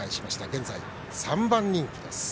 現在３番人気です。